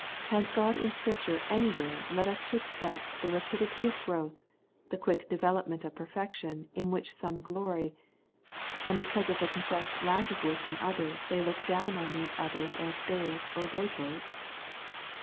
Has God in Scripture anywhere led us to expect the rapidity of growth, the quick de velopment of perfection in which some glory, and because of the confessed lack of which in others they look down on these others as babes or loiterers